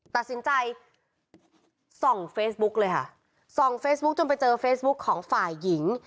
ตัดสินใจส่องเฟซบุ๊กเลยค่ะส่องเฟซบุ๊คจนไปเจอเฟซบุ๊คของฝ่ายหญิง